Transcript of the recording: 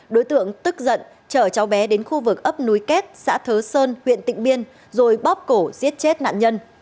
đối tượng tức giận chở cháu bé đến khu vực ấp núi kết xã thớ sơn huyện tịnh biên rồi bóp cổ giết chết nạn nhân